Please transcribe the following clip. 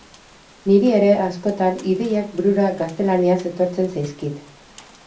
Niri ere, askotan, ideiak burura gaztelaniaz etortzen zaizkit.